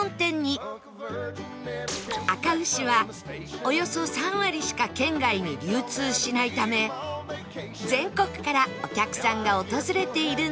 あか牛はおよそ３割しか県外に流通しないため全国からお客さんが訪れているんです